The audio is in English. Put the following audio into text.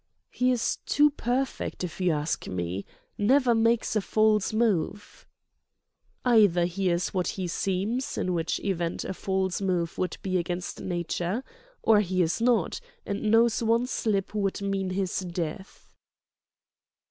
"He is too perfect, if you ask me—never makes a false move." "Either he is what he seems, in which event a false move would be against nature; or he is not, and knows one slip would mean his death."